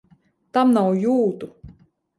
Tam nav jūtu!